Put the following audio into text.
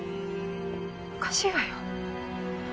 おかしいわよ。